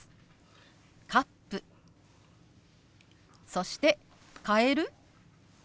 そして「変える？」。